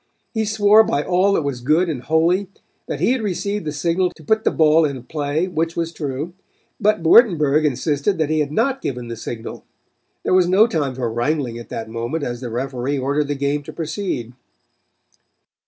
He swore by all that was good and holy that he had received the signal to put the ball in play, which was true. But Wurtenburg insisted that he had not given the signal. There was no time for wrangling at that moment as the referee ordered the game to proceed.